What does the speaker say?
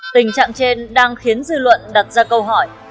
tình trạng trên đang khiến dư luận đặt ra câu hỏi